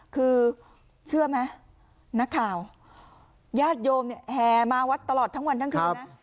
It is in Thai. คือเชื่อไหมนักข่าวญาติโยมเนี่ยแห่มาวัดตลอดทั้งวันทั้งคืนนะ